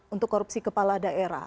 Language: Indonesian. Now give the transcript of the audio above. untuk korupsi kepala daerah